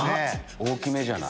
大きめじゃない？